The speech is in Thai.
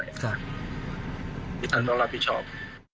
ต้องรับผิดชอบ